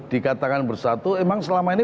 dikatakan bersatu emang selama ini